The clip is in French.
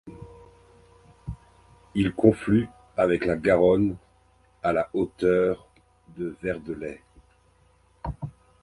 Il conflue avec la Garonne à la hauteur de Verdelais.